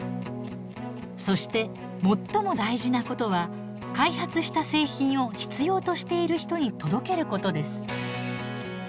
そして最も大事なことは開発した製品を必要としている人に届けることです。